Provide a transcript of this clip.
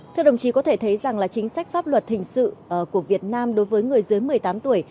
thưa đồng chí có thể thấy rằng là chính sách pháp luật hình sự của việt nam đối với người dưới một mươi tám tuổi